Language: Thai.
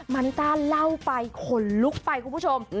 มานิต้าเล่าไปขนลุกไปคุณผู้ชม